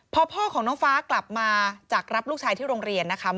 พอพ่อของน้องฟ้ากลับมาจากรับลูกชายที่โรงเรียนนะคะ